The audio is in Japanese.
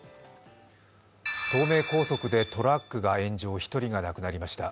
東名高速でトラックが炎上、１人が亡くなりました。